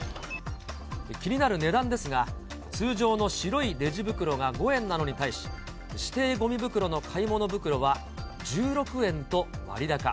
気になる値段ですが、通常の白いレジ袋が５円なのに対し、指定ごみ袋の買い物袋は１６円と割高。